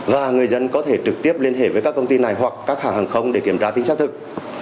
và người dân có thể trực tiếp liên hệ với các công ty này hoặc các hãng hàng không để kiểm tra tính xác thực